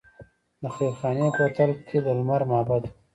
د خیرخانې کوتل کې د لمر معبد و